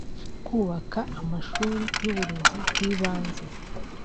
kubaka amashuri y’uburezi bw’ibanze